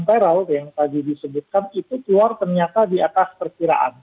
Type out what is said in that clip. teror yang tadi disebutkan itu keluar ternyata di atas perkiraan